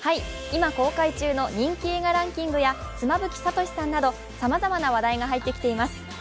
今公開中の人気映画ランキングや妻夫木聡など、さまざまな話題が入ってきています。